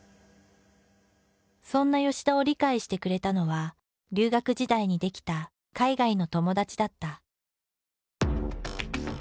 そんな田を理解してくれたのは留学時代に出来た海外の友達だった。